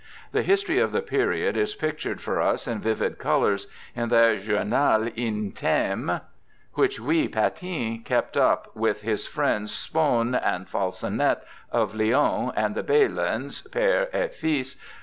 The history of the period is pictured for us in vivid colours in i\\?i\. journal intime which Gui Patin kept up with his friends, Spohn and Falconet of Lyons and the Belins {pcre ct fils).